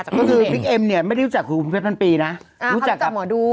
ก็คือบิ๊กเอ็มเนี่ยไม่ได้รู้จักคุณคุณเพชรพันปีนะอ่าเขารู้จักหมอดู